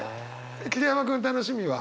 桐山君楽しみは？